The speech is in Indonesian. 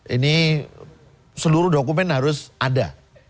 ini seluruh dokumen harus ada